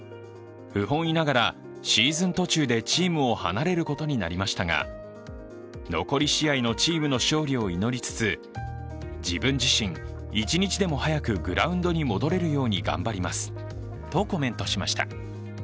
不本意ながらシーズン途中でチームを離れることになりましたが残り試合のチームの勝利を祈りつつ自分自身、一日でも早くグラウンドに戻れるように頑張りますとコメントしました。